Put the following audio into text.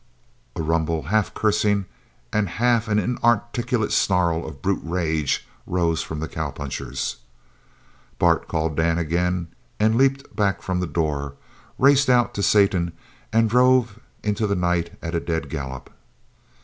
A rumble, half cursing and half an inarticulate snarl of brute rage, rose from the cowpunchers. "Bart," called Dan again, and leaped back from the door, raced out to Satan, and drove into the night at a dead gallop.